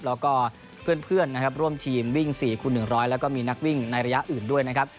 แล้วก็เพื่อนนะครับร่วมทีมวิ่ง๔คูณ๑๐๐แล้วก็มีนักวิ่งในระยะอื่นด้วยนะครับ